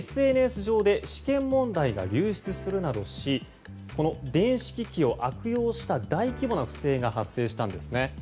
ＳＮＳ上で試験問題が流出するなどし電子機器を悪用した大規模な不正が発生したんです。